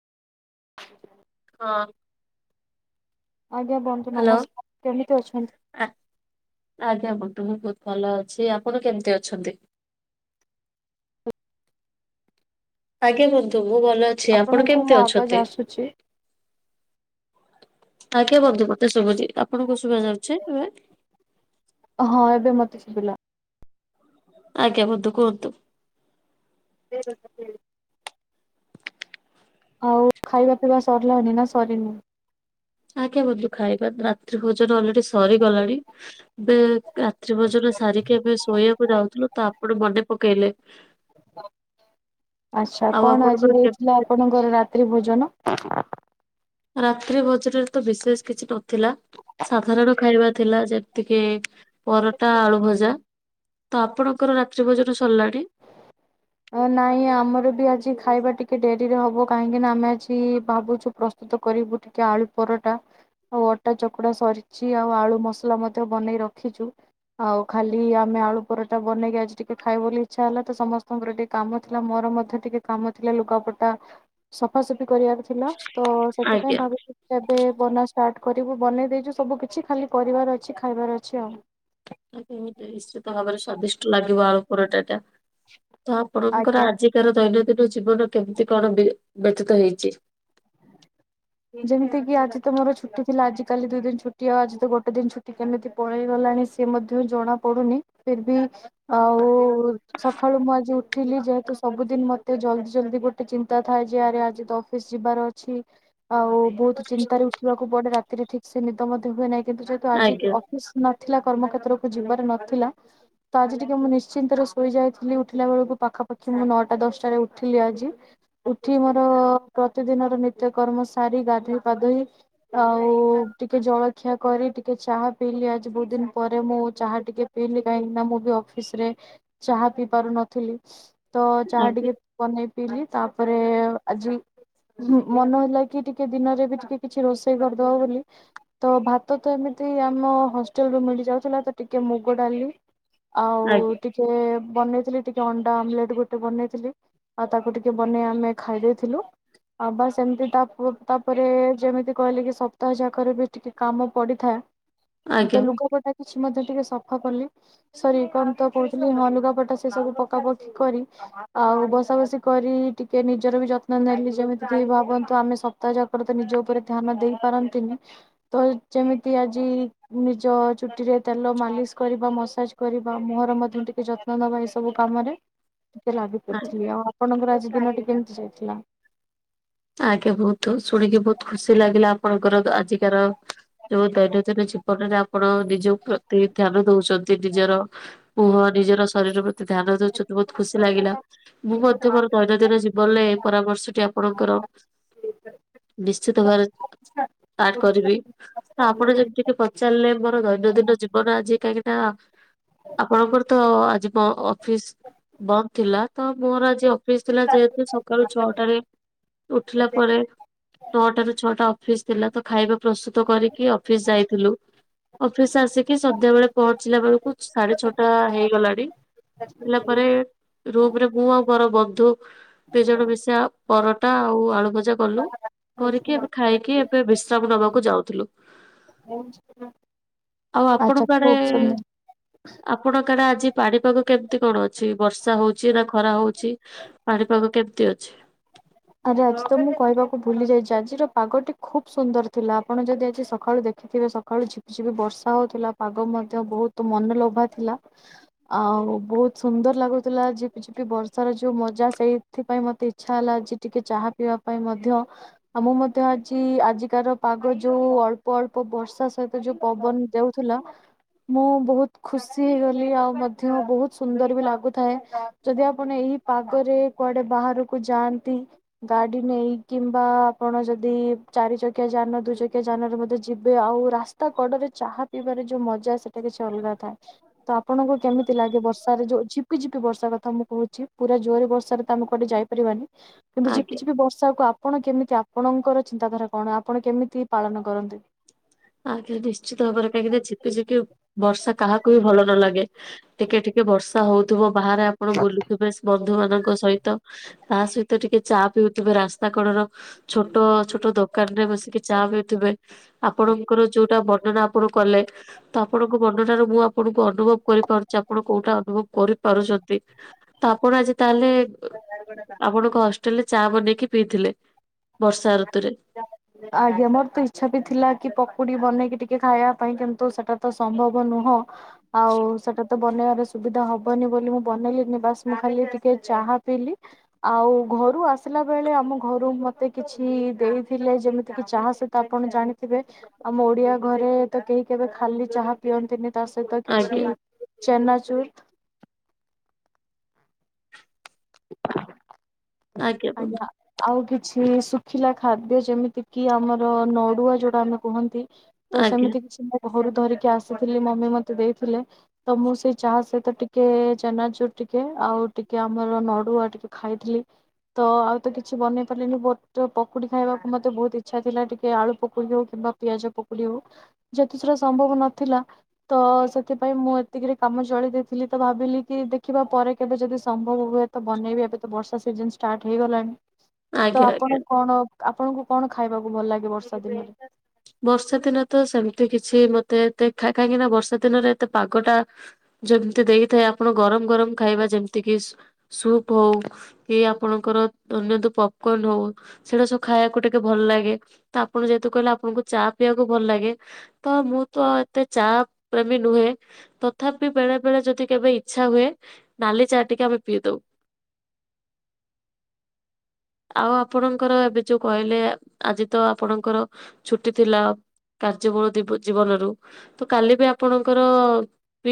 ହଁ। ଆଜ୍ଞା ବନ୍ଧୁ ହ୍ୟାଲୋ ନମସ୍କାର କେମିତି ଅଛନ୍ତି? ଆ ଆଜ୍ଞା ବନ୍ଧୁ ମୁଁ ବହୁତ ଭଲ ଅଛି ଆପଣ କେମିତି ଅଛନ୍ତି? ଆଜ୍ଞା ବନ୍ଧୁ ମୁଁ ଭଲ ଅଛି ଆପଣ ଆପଣଙ୍କୁ ମୋ କେମିତି ଆବାଜ ଅଛନ୍ତି? ଆସୁଛି? ଆଜ୍ଞା ବନ୍ଧୁ ମତେ ଶୁଛି ଆପଣଙ୍କୁୁ ଶୁଭା ଯାଉଛି ନୁଏ ହଁ ଏବେ ମତେ ଶୁବିଲା। ଆଜ୍ଞା ବନ୍ଧୁ କୁହନ୍ତୁ? [inaudible] ଆଉ ଖାଇବା ପିଇବା ସରିଲାନି ନା ସରିନି? ଆଜ୍ଞା ବନ୍ଧୁ ଖାଇବା ରାତ୍ରି ଭୋଜନ ଅଲରେଡି ସରିଗଲାଣି। ଏବେ ରାତ୍ରି ଭୋଜନ ସାରିକି ଆମେ ଶୋଇବାକୁ ଯାଉଥିଲୁ ତ ଆପଣ ମନେ ପକେଇଲେ। ଆଚଛା ଆଉ କଣ ଆଜି ଆପଣଙ୍କର ହେଇଥିଲା କେମିତି ଆପଣଙ୍କର ରାତ୍ରି ଭୋଜନ? ରାତ୍ରି ଭୋଜନରେ ତ ବିଶେଷ କିଛି ନଥିଲା ସାଧାରଣ ଖାଇବା ଥିଲା ଯେମ ଟିକେ ପରଟା ଆଳୁ ଭଜା ତ ଆପଣଙ୍କର ରାତ୍ରି ଭୋଜନ ସରିଲାଣି? ଏ ନାଇଁ ଆମର ବି ଆଜି ଖାଇବା ଟିକେ ଡେରିରେ ହବ କାହିଁକି ନା ଆମେ ଆଜି ଭାବୁଛୁ ପ୍ର ସ୍ତୁତ କରିବୁ ଟିକେ ଆଳୁ ପରଟା। ଆଉ ଅଟା ଚକୁଡା ସରିଚି ଆଉ ଆଳୁ ମସଲା ମଧ୍ୟ ବନେଇ ରଖିଛୁ। ଆଉ ଖାଲି ଆମେ ଆଳୁ ପରଟା ବନେଇକି ଆଜି ଟିକେ ଖାଇବା ବୋଲି ଇଚ୍ଛା ହେଲା ତ ସମସ୍ ସ୍ତ ଙ୍କର ଟିକେ କାମ ଥିଲା ମୋର ମଧ୍ୟ ଟିକେ କାମ ଥିଲା ଲୁଗାପଟା ସଫାସଫି କରିବାର ଥିଲା। ତ ସେଥିପାଇଁ ଆଜ୍ଞା ଭାବୁଛି ଏବେ ବନା ଷ୍ଟାର୍ଟ କରିବୁ ବନେଇ ଦେଇଛୁ ସବୁ କିଛି ଖାଲି କରିବାର ଅଛି ଖାଇବାର ଅଛି ଆଉ। ଠିକି ଠାକେ ଏମିତି ନିଶ୍ଚିତ ଭାବରେ ସ୍ଵାଦିଷ୍ଟ ଲାଗିବ ଆଳୁ ପରଟା ଟା। ତ ଆପଣଙ୍କର ଆଜ୍ଞା, ଆଜିକାର ଦୈନନ୍ଦିନ ଜୀବନ କେମିତି କଣ ବେ ବ୍ୟତୀତ ହେଇଛି? ଏଇ ଯେମିତି କିି ଆଜି ତ ମୋର ଛୁଟି ଥିଲା ଆଜି କାଲି ଦୁ ଦିନ ଛୁଟି ଆଉ ଆଜି ତ ଗୋଟେ ଦିନ ଛୁଟି କେମିତି ପଳେଇ ଗଲାଣି ସେ ମଧ୍ୟ ଜଣା ପଡୁନି। ଫିର ବି ଆଉ ସକାଳୁ ମୁଁ ଆଜି ଉଠ ଠିଲି ଯେହେତୁ ସବୁଦିନ ମତେ ଜଲଦି ଜଲଦି ଗୋଟେ ଚିନ୍ତା ଥାଏ ଯେ ଆରେ ଆଜି ତ ଅଫିସ ଯିବାର ଅଛି। ଆଉ ବହୁତ ଚିନ୍ତାରେ ଉଠିବାକୁ ପଡେ ରାତିରେ ଠିକ ସେ ନିଦ ମଧ୍ୟ ହୁଏ ନାହିଁ କିନ୍ତୁ ଯେହେତୁ ଆଜି ଆଜ୍ଞା ଅଫିସ ନଥିଲା କର୍ମ କ୍ଷେତ୍ରକୁୁ ଯିବାର ନଥିଲା ତ ଆଜି ଟିକେ ମୁଁ ନିଶ୍ଚିନ୍ତରେ ଶୋଇ ଯାଇଥିଲି ଉଠିଲା ବେଳକୁ ପାଖାପାଖି ମୁଁ ନଅଟା ଦଶଟାରେ ଉଠିଲି ଆଜି। ଉଠି ମୋର ପ୍ରତିଦିନର ନିତ୍ୟକର୍ମ ସାରି ଗାଧୋଇ ପାଧୋଇ ଆଉ ଟିକେ ଜଳଖିଆ କରି ଟିକେ ଚାହା ପିଇଲି ଆଜି ବହୁତ ଦିନ ପରେ ମୁଁ ଚାହା ଟିକେ ପିିଇଲି କାହିଁକି ନା ମୁଁ ବି ଅଫିସ ରେ ଚାହା ପିଇ ପାରୁନଥିଲି। ତ ଚାହା ଆଜ୍ଞା ଟିକେ ବନେଇ ପିଇଲିି ତାପରେ ଆଜି ମନ ହେଲା ଟିକେ ଦିନରେ ବି ଟିକେ କିଛି ରୋଷେଇ କରିଦବା ବୋଲି। ତ ଭାତ ତ ଏମିତି ଆମ ହଷ୍ଟେଲରୁୁ ମିଳିଯାଉଥିଲା ତ ଟିକେ ମୁଗ ଡାଲି ଆଉ ଆଜ୍ଞା ଟିକେ ବନେଇଥିଲି ଟିକେ ଅଣ୍ଡା ଆମ୍ବେଲେଟ୍ ଗୋଟେ ବନେଇଥିଲି। ଆଉ ତାକୁ ଟିକେ ବନେଇ ଆମେ ଖାଇଦେଇଥିଲୁ ଆଉ ବାସ୍ ଏମିତି ତା ଉ ତାପରେ ଯେମିତି କହିଲେ କି ସପ୍ତାହ ଯାକରେ ବି ଟିକେ କାମ ପଡିଥା ତ ଆଜ୍ଞା। ଲୁଗାପଟା କିଛି ମଧ୍ୟ ଟିକେ ସଫା କଲି। ସରି କଣ ତ କହୁଥିଲି ହଁ ଲୁଗା ପଟା ସେ ସବୁ ପକା ପକି କରି। ଆଉ ବସା ବସି କରି ଟିକେ ନିଜର ବି ଯତ୍ନ ନେଲି ଯେମିତି ଭାବନ୍ତୁ ଆମେ ସଫ ତା ଯାକରେ ତ ନିଜ ଉପରେ ଧ୍ୟାନ ଦେଇ ପାରନ୍ତିନି ତ ଯେମିତି ଆଜି ନିଜ ଚୁଟିରେ ତେଲ ମାଲିସ କରିବା ମସାଜ କରିବା ମୁହଁର ମଧ୍ୟ ଟିକେ ଯତ୍ ତ୍ନ ଦେବା ଏ ସବୁ କାମରେ ଟିକେ ଲାଗି ଆଜ୍ଞା ପଡ଼ିଥିଲି। ଆଉ ଆପଣଙ୍କର ଆଜି ଦିନଟି କେମିତି ଯାଇଥିଲା? ଆଜ୍ଞା ବହୁତ ଶୁଣିକି ବହୁତ ଖୁସି ଲାଗିଲା ଆପଣଙ୍କର ଆଜିକାର ଯୋଉ ଦୈନନ୍ଦିନ ଜୀବନରେ ଆପଣ ନିଜ ପ୍ରତି ଧ୍ୟାନ ଦଉଛନ୍ତି ନିଜର। ମୁୁହଁ ନିଜର ଶରୀର ପ୍ରତି ଧ୍ୟାନ ଦଉଛନ୍ତି ବହୁତ ଖୁସି ଲାଗିଲା। ମୁଁ ମଧ୍ୟ ମୋର ଦୈନନ୍ଦିନ ଜୀବନରେ ଏଇ ପରାମର୍ଶଟି ଆପଣଙ୍କର ନିଶ୍ଚିତ ଭାବରେ ଆଡ଼ କରିବି। ତ ଆପଣ ଯେମିତିକି ପଚାରିଲେ ମୋର ଦୈନନ୍ଦିନ ଜୀବନ ଆଜି କାହିଁକି ନା ଆପଣଙ୍କର ତ ଆଜି ମୋ ଅଫିସ୍ ବନ୍ଦ ଥିଲା ତ ମୋର ଆଜି ଅଫିସ୍ ଥିଲା ଯେହେତୁ ସକାଳୁ ଛଅଟାରେ ଉଠିଲା ପରେ ନଅଟା ରୁ ଛଅଟା ଅଫିସ। ଥିଲା ତ ଖାଇବା ପ୍ରସ୍ତୁତ କରିକି ଅଫିସ ଯାଇଥିଲୁ। ଅଫିସ୍ ଆସିକି ସନ୍ଧ୍ୟା ବେଳେ ପହଞ୍ଚିଲା ବେଳକୁ ସାଢେ ଛଅଟା ହେଇଗଲାଣି। ହେଲା ପରେ ରୁମ୍ ରେ ମୁଁ ଆଉ ମୋର ବନ୍ଧୁ ଦି ଜଣ ମିଶା ପର ଟା ଆଉ ଆଳୁ ଭଜା କଲୁ କରିକି ଏବେ ଖାଇକି ଏବେ ବିଶ୍ରାମ ନବାକୁ ଯାଉଥିଲୁ। ଆଉ ଆପଣ ଆଚ୍ଛା କୁଆଡେ ଖୁବ ସୁନ୍ଦର। ଆପଣଙ୍କ ଆଡେ ଆଜି ପାଣିପାଗ କେମିତି କଣ ଅଛି ବର୍ଷା ହଉଛି ନା ଖରା ହଉଛି? ପାଣିପାଗ କେମିତି ଅଛି? ଆରେ ଆଜି ତ ମୁଁ କହିବାକୁ ଭୁଲି ଯାଇଛି ଆଜିର ପାଗଟି ଖୁବ ସୁନ୍ଦର ଥିଲା ଆପଣ ଯଦି ଆଜି ସକାଳୁ ଦେଖ ଖିଥିବେ ସକାଳୁ ଝିପି ଝିପି ବର୍ଷା ହଉଥିଲା ପାଗ ମଧ୍ୟ ବହୁତ ମନଲୋଭା ଥିଲା। ଆଉ ବହୁତ୍ ସୁନ୍ଦର ଲାଗୁଥିଲା ଝିପିଝିପି ବର୍ଷାର ଯୋଉ ମଜା ସେଇଥିପାଇଁ ମତେ ଇଚ୍ଛା ହେଲା [unintelligible] ଟିକେ ଚାହା ପିଇବା ପାଇଁ ମଧ୍ୟ ଅ ମୁଁ ମଧ୍ୟ ଆଜି ଆଜିକାର ପାଗ ଯୋଉ ଅଳ୍ପ ଅଳ୍ପ ବର୍ଷା ସହିତ ଯୋଉ ପବନ୍ ଦଉଥିଲା। ମୁଁ ବହୁତ୍ ଖୁସି ହେଇଗଲି ଆଉ ମଧ୍ୟ ବହୁତ୍ ସୁନ୍ଦର ବି ଲାଗୁଥାଏ। ଯଦି ଆପଣ ଏଇ ପାଗରେ କୁଆଡେ ବାହାରକୁ ଯାଆନ୍ତି ଗାଡି ନେଇ କିମ୍ବା ଆପଣ ଯଦି ଚାରି ଚକିଆ ଯାନ ଦୁଇ ଚକିଆ ଯାନରେ ମଧ୍ୟ ଯିବେ ଆଉ ରାସ୍ ତା କଡରେ ଚାହା ପିଇବାରେ ଯୋଉ ମଜା ସେଟା କିଛି ଅଲ୍ଗା। ଥା ତ ଆପଣଙ୍କୁ କେମିତି ଲାଗେ ବର୍ଷାରେ ଯୋଉ ଝିପିଝିପି ବର୍ଷା କଥା ମୁଁ କହୁଛି? ପୁରା ଜୋରେ ବର୍ଷାରେ ତ ଆମେ କୁଆଡେ ଯାଇପାରିବାନି କିନ୍ତୁ ଆଜ୍ଞା ଝିପିଝିପି ବର୍ଷାକୁ ଆପଣ କେମିତି ଆ ଆପଣଙ୍କର ଚିନ୍ତାଧାରା କଣ ଆପଣ କେମିତି ପାଳନ କରନ୍ତି? ଆଜ୍ଞା ନିଶ୍ଚିତ ଭାବରେ କାହିଁକି ନା ଯେତେ କି ବର୍ଷା କାହାକୁ ବି ଭଲ ନ ଲାଗେ। ଟିକେ ଟିକେ ବର୍ଷା ହଉଥିବ ବାହାରେ ଆପଣ ବୁଲୁଥିବେସ୍ ବନ୍ଧୁ ମାନଙ୍କ ସହିତ। ତା ସହିତ ଟିକେ ଚା ପିଉଥିବେ ରାସ୍ତା କଡର ଛୋଟ ଛୋଟ ଦୋକାନ୍ ରେ ବସିକି ଚା ପିଉଥିବେ। ଆପଣଙ୍କର ଯୋଉଟା ବର୍ଣ୍ଣନା ଆପଣ କଲେ ତ ଆପଣଙ୍କ ବର୍ଣ୍ଣନା ରୁ ମୁଁ ଆପଣଙ୍କୁ ଅନୁଭବ କରିପାରୁଚି ଆପଣ କୋଉଟା ଅନୁଭବ କରିପାରୁଚନ୍ତି। ତ ଆପଣ ଆଜି ତାଏଲେ [unintelligible] [unintelligible] ଆପଣ କ ହଷ୍ଟେଲ୍ ରେ ଚା ବନେଇକି ପିଇଥିଲେ ବର୍ଷା ଋତୁରେ। [unintelligible] ଆଜ୍ଞା ମୋର ତ ଇଚ୍ଛା ବି ଥିଲା କି ପକୁଡି ବନେଇକି ଟିକେ ଖାଇବା ପାଇଁ କିନ୍ତୁ ସେଟା ତ ସମ୍ଭବ ନୁହଁ। ଆଉ ସେଟା ତ ବନେଇଆରେ ସୁବିଧା ହବନି ବୋଲି ମୁଁ ବନେଇଲିନି ବାସ୍ ମୁଁ ଖାଲି ଟିକେ ଚାହା ପିଇଲି। ଆଉ ଘରୁ ଆସିଲା ବେଳେ ଆମ ଘରୁ ମତେ କିଛି ଦେଇଥିଲେ ଯେମିତି କିି ଚାହା ସହିତ ଆପଣ ଜାଣିଥିବେ ଆମ ଓଡିଆ ଘରେ ତ କେହି କେବେ ଖାଲି ଚାହା ପିଅନ୍ତିନି। ତା ସହିତ କିଛି ଆଜ୍ଞା ଚେନାଚୁର୍ ଆଜ୍ଞା। ଆଉ କିଛି ଶୁଖିଲା ଖାଦ୍ୟ ଯେମିତି କିି ଆମର ନଡୁଆ ଯୋଉଟା ଆମେ କୁହନ୍ତି। ତ ଆଜ୍ଞା। ସେମିତି କିଛି ମୋ ଘରୁ ଧରିକି ଆସିଥିଲି ମମି ମତେ ଦେଇଥିଲେ। ତ ମୁଁ ସେଇ ଚାହା ସହିତ ଟିକେ ଚେନାଚୂର୍ ଟିକେ ଆଉ ଟିକେ ଆମ ର ନଡୁଆ ଟିକେ ଖାଇଥିଲି। ତ ଆଉ ତ କିଛି ବନେଇ ପାରିଲିନି ବଟ୍ ପକୁଡି ଖାଇବାକୁ ମତେ ବହୁତ୍ ଇଚ୍ଛା ଥିଲା ଟିକେ ଆଳୁ ପକୁଡି ହଉ କି [unintelligible] ପିଆଜ ପକୁଡି ହଉ ଯେହେତୁ ସେରା ସମ୍ଭବ ନଥିଲା ତ ସେଥିପାଇଁ ମୁଁ ଏତିକିରେ କାମ ଚଳେଇ ଦେଇଥିଲି ତ ଭାବିଲି କି ଦେଖିବା ପରେ କେବେ ଯଦି ସମ୍ଭବ ହୁଏ ତ ବନେଇବି ଏବେ ତ ବର୍ଷା ସିଜିନ୍ ଷ୍ଟାର୍ଟ ହେଇଗଲାଣି ତ ଆଜ୍ଞା ଆଜ୍ଞା ଆପଣ କଣ ଆପଣଙ୍କୁ କଣ ଖାଇବାକୁ ଭଲ ଲାଗେ ବର୍ଷା ଦିନରେ? ବର୍ଷା ଦିନେ ତ ସେମିତି କିଛି ମତେ ଏତେ ଖା କାହିଁକି ନା ବର୍ଷା ଦିନରେ ଏତେ ପାଗଟା ଯେମ୍ତି ଦେଇଥାଏ ଆପଣ ଗରମ୍ ଗରମ୍ ଖାଇବା ଯେମ୍ତି କିି ସୁପ୍ ହଉ ଏ ଆପଣଙ୍କର [unintelligible] ତ ପପ୍ କର୍ଣ୍ଣ ହଉ। ସେଇଟା ସବୁ ଖାଇଆକୁ ଟିକେ ଭଲ ଲାଗେ ତ ଆପଣ ଯେହେତୁ କହିଲେ ଆପଣଙ୍କୁ ଚା ପିଇବାକୁ ଭଲ ଲାଗେ। ତ ମୁଁ ତ ଏତେ ଚା ପ୍ରେମୀ ନୁହେଁ। ତଥାପି ବେଳେ ବେଳେ ଯଦି କେବେ ଇଚ୍ଛା ହୁଏ ନାଲି ଚା ଟିକେ ଆମେ ପିଇ ଦଉ। ଆ [inaudible] ଆଉ ଆପଣଙ୍କର ଏବେ ଯୋଉ କଇଲେ ଆଜି ତ ଆପଣଙ୍କର ଛୁଟି ଥିଲା କାର୍ଯ୍ୟବଳ ଜୀବନରୁ ତ କାଲି ବି ଆପଣଙ୍କର